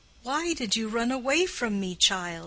"Why did you run away from me, child?"